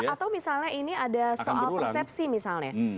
atau misalnya ini ada soal persepsi misalnya